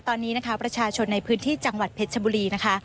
ตอนนี้นะคะประชาชนในพื้นที่จังหวัดเพชรชบุรีนะคะ